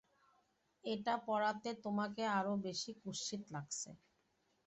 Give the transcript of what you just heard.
এটা পরাতে তোমাকে আরও বেশি কুৎসিত লাগছে।